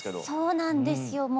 そうなんですよ。